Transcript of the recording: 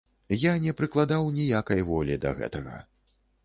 Я не прыкладаў ніякай волі да гэтага.